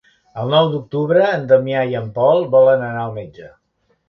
El nou d'octubre en Damià i en Pol volen anar al metge.